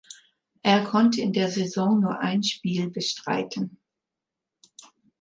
Er konnte in der Saison nur ein Spiel bestreiten.